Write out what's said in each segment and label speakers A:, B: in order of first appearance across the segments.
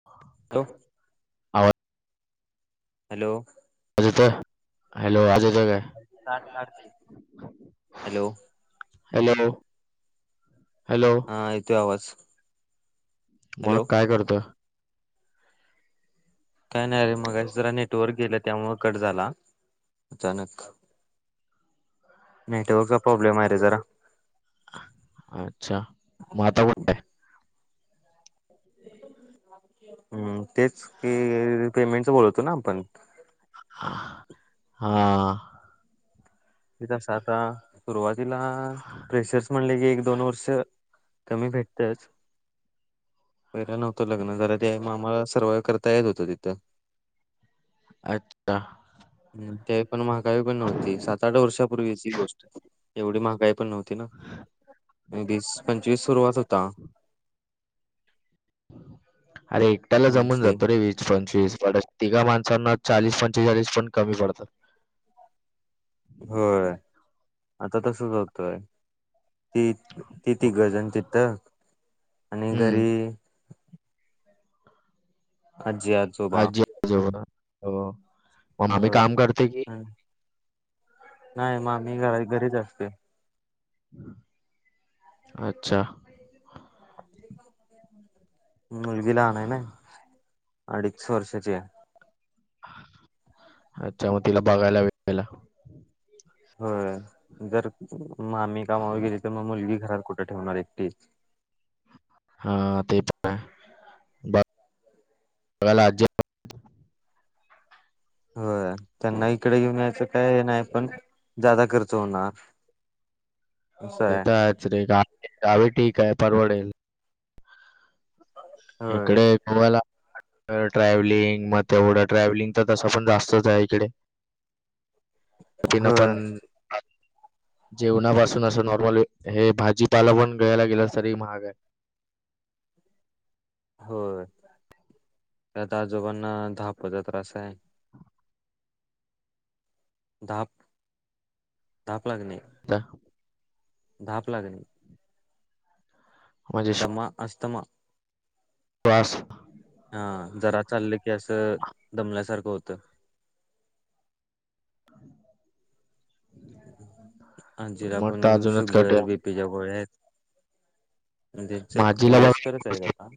A: [unintelligible]
B: Hello
A: आवाज
B: hello
A: येतोय hello आवाज येतोय काय
B: हॅलो
A: हॅलो हॅलो
B: हा येतोय आवाज
A: मग
B: हॅलो
A: काय करताय
B: काय नाही अरे मगाशी जरा नेटवर्क गेलं त्यामुळं कट झाला अचानक नेटवर्कचा प्रॉब्लेम आहे रे जरा
A: आच्छा म आता व [unintelligible]
B: हम्म तेच की पेमेंटच बोलतो ना आपण
A: हा
B: ते तस आता सुरुवातीला प्रेशर्स म्हणल की एक दोन वर्ष कमी भेटतच पहिला नव्हतं लग्न जरा ते मला मला सर्वाइव करता येत होतं तिथं
A: अच्छा
B: हं त्यावेळी पण महागाई पण नव्हती सात आठ वर्षापूर्वीची ही गोष्ट एवढी महागाई पण नव्हती ना वीस पंचवीस सुरुवात होता
A: अरे एकट्याला जमून
B: मंथली
A: जातो रे वीस पंचवीस एवढं तिघा माणसांना चाळीस पंचेचाळीस पण कमी पडतात
B: होय होय आता तसचं होतंय ती ती तिघजण तिथं आणि
A: हम्म
B: घरी आजी आ
A: आजी आजोबा हो मग मामी काम करते की?
B: मग नाही माझी बी आई घरीच असते
A: अच्छा
B: मुलगी लहान आहे ना अडीच वर्षाची हाय
A: अच्छा! चौथी तिला बघायला भेटलं.
B: हो जर मा्मी कामावर गेली तर मग मुलगी घरात कुठं ठेवणार एकटीच.
A: हा ते पण हाय बघायला आजी
B: होय त्यांना इकडे घेऊन याचं काय हे नाही पण जादा खर्च होणार. असं
A: ते तर
B: आहे
A: आहेच रे गावी गावी ठीक आहे परवडेल
B: होय
A: इकडे, तुम्हाला ट्रॅव्हलिंग मग तेवढं ट्रॅव्हलिंग तर तसं पण जास्तच आहे इकडे. तिनपण
B: होय
A: आप, जेवणापासून असं नॉर्मल हे भाजीपाला पण घ्यायला गेलास तरी महाग आहे.
B: होय त्यात आजोबांना धापचा त्रास आहे. धाप, धाप लागणे.
A: [unintelligible]
B: धाप लागने.
A: [unintelligible]
B: मा अस्तमा-
A: पास
B: हा जरा चाललं की असं दमल्यासारखं होतं. आजी ला
A: मग
B: पण
A: तर अजूनच कट आहे.
B: Sugar BP. तेज्या गोळ्या आहेत
A: मग
B: त्यांच
A: आजीला बघ
B: मुलेच खरच आहे आता.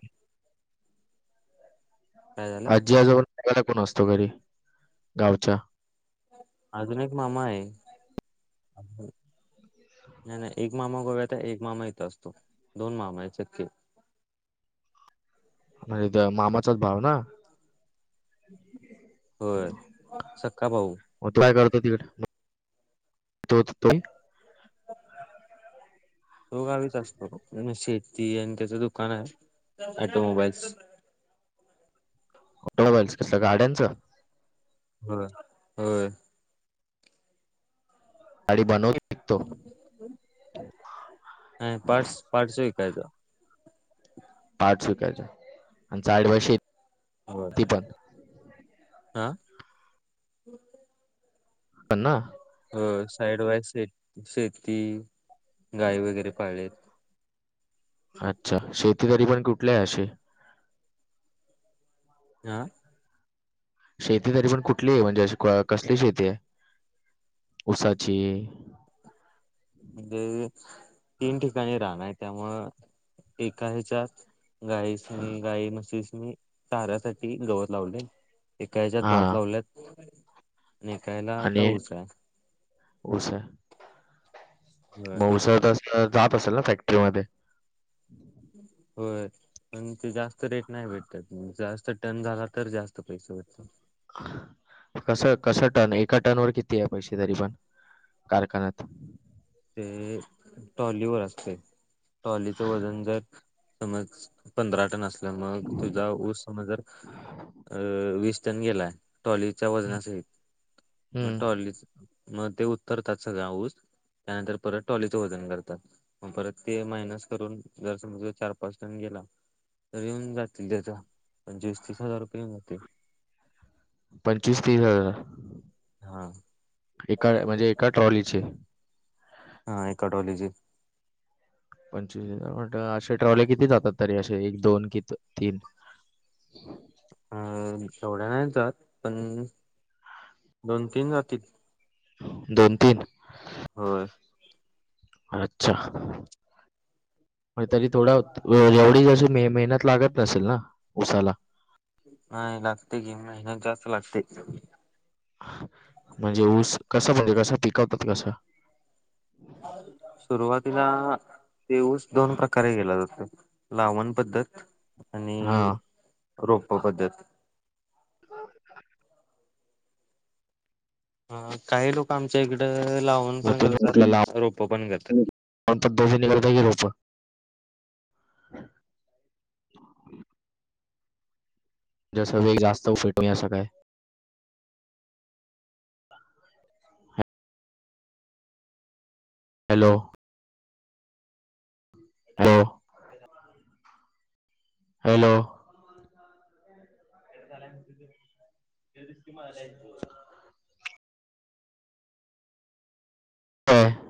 B: काय झालं
A: आजी आजोबा ला बघायला कोण असतो घरी गावच्या?
B: अजून एक मामा आहे. नाही नाही एक मामा गोव्यात एक मामा इथं असतो दोन मामा सक्के.
A: आणि त्या मामाचाच भाव ना.
B: होय सक्का भाऊ.
A: मग तो काय करतो तिकडं? तोच तो,
B: तो गावीच असतो शेती आणि त्याचं दुकान आहे. ऑटोमोबाईल्स
A: ऑटोमोबाईल्स कसलं गाड्यांचं?
B: हो होय.
A: आणि बाकी.
B: नाही पार्ट्स पार्ट्स विकायचा.
A: पार्टस विकायचा अन साईड बाय
B: होय
A: शेती पण.
B: हा
A: पणा [inaudible]
B: हो साईड वाईज श शेती गाई वगैरे पाळलेत.
A: अच्छा! शेतीकरी पण कुठले आहे असे?
B: [inaudible]
A: शेती तरी पण कुठली आहे, म्हणजे कसली शेती आहे ऊसाची?
B: म्हणजे तीन ठिकाणी राहनं आहे त्यामूळ एका ह्याच्यात गाईची गाई म्हशीनी चाऱ्यासाठी गवत लावले. एकाह्याच्यात
A: हा
B: भात लावलेत आणि एका यला आता
A: आणि
B: उस आहे.
A: ऊस आहे.
B: होय
A: म ऊस तस जात असेल ना फॅक्टरीमध्ये?
B: होय पण ते जास्त रेट नाही भेटत जास्त टन झाला तर जास्त पैसे होते.
A: कस, कस टन? एका टन वर किती आहे पैसे, तरी पण कारखान्यात?
B: अं टॉलीवर असते. टॉलीच वजन जर समज पंधरा टन असलं मग, तुझा ऊस समज जर वीस टन गेलाय, ट्रॉलीच्या वजना सहित. मग टॉली
A: हम्म
B: मग ते उत्तरतात सगळ्या ऊस. त्यानंतर परत टॉलीचं वजन करतात. मग परत ते मायनस करून, जर समजा चार पाच टन गेला तर येऊन जातील त्याचा, पंचवीस तीस हजार रुपये येऊन जातील.
A: पंचवीस तीस हजार.
B: हा.
A: एका, म्हणजे एका ट्रॉलीचे?
B: हा एका ट्रॉलीचे.
A: पंचवीस हजार म्हण असे ट्रॉवले किती जातात? तरी असे एक दोन कि तीन?
B: अ एवढ्या नाही जात, पण दोन तीन जातील.
A: दोन तीन.
B: होय
A: [inaudible] अच्छा.. तरी थोडा एवढी जशी म मेहनत लागत नसेल ना, उसाला.
B: नाही, लागते की मेहनत जास्त लागते.
A: म्हणजे ऊस, कसा म्हणजे कसा पिकवतात कसा?
B: सुरुवातीला ते ऊस दोन प्रकारे केलं जातं. लावण पद्धत
A: हा
B: आणि रोप्प पद्धत.
A: [unintelligible]
B: ह काही लोक आमच्या इकडं, लावण
A: मग
B: पण करतात, रोपं पण करतात.
A: [unintelligible] की करता रोप? जसं वेग [unintelligible] असं काय. हॅलो. हो हॅलो. [unintelligible] हा